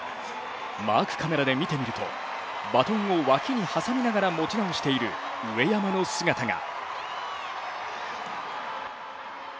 マークカメラで見てみると、バトンを脇に挟みながら持ち直している上山の姿が。